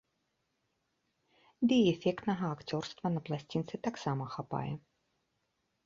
Ды і эфектнага акцёрства на пласцінцы таксама хапае.